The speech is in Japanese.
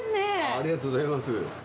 ありがとうございます。